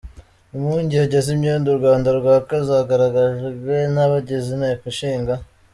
Impungenge z’imyenda u Rwanda rwaka zagaragajwe n’abagize Inteko Ishinga .